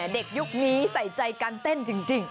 ยุคนี้ใส่ใจการเต้นจริง